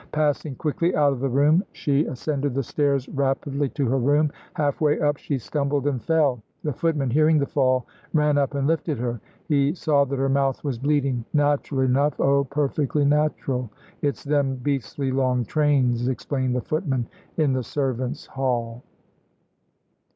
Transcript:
Passing quickly out of the room, she ascended the stairs rapidly to her room. Half way up she stumbled and fell. The footman, hearing the fall, ran up and lifted her. He saw that her mouth was bleeding. Natural enough oh, perfectly natural! "It's them beastly long trains," explained the footman in the servants' hall.